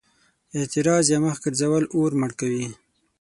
اعراض يا مخ ګرځول اور مړ کوي.